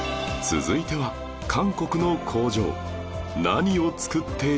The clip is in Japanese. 続いては韓国の工場